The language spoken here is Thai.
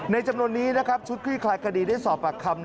จำนวนนี้นะครับชุดคลี่คลายคดีได้สอบปากคำ